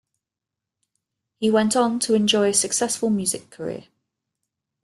He went on to enjoy a successful music career.